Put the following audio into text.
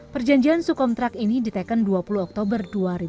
perjanjian subkontrak ini ditekan dua puluh oktober dua ribu sebelas